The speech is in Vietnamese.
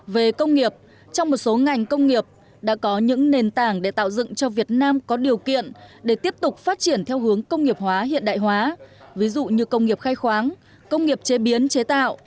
về công nghiệp trong một số ngành công nghiệp đã có những nền tảng để tạo dựng cho việt nam có điều kiện để tiếp tục phát triển theo hướng công nghiệp hóa hiện đại hóa ví dụ như công nghiệp khai khoáng công nghiệp chế biến chế tạo